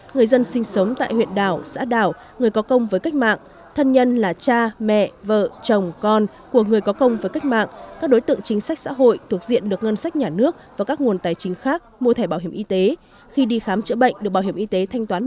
bởi lần điều chỉnh sẽ không tác động nhiều đến quyền lợi của người có thẻ bảo hiểm y tế